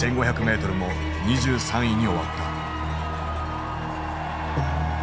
１，５００ｍも２３位に終わった。